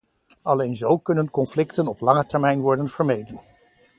Alleen zo kunnen conflicten op lange termijn worden vermeden.